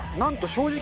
正直！